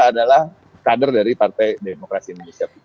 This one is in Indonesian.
adalah kader dari partai demokrasi indonesia perjuangan